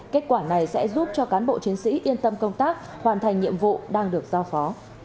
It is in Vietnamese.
kết quả này sẽ giúp cho cán bộ chiến sĩ yên tâm công tác hoàn thành nhiệm vụ đang được giao phó